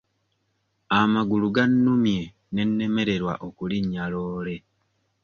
Amagulu gannumye ne nnemererwa okulinnya loole.